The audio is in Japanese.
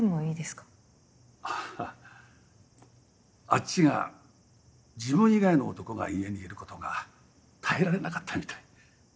あっちが自分以外の男が家にいることが耐えられなかったみたい。